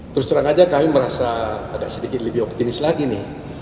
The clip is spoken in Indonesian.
terus terang aja kami merasa agak sedikit lebih optimis lagi nih